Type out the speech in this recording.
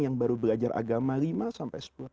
yang baru belajar agama lima sampai sepuluh tahun